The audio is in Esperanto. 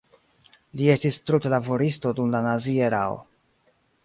Li estis trudlaboristo dum la nazia erao.